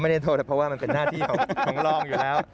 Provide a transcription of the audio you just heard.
โทษเพราะว่ามันเป็นหน้าที่ของรองอยู่แล้ว